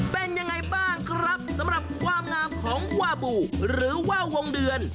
เป็นยังไงบ้างครับสำหรับความงามของวาบูหรือว่าวงเดือน